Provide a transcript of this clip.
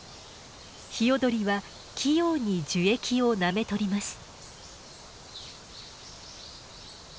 ヒヨドリは器用に樹液をなめ取ります。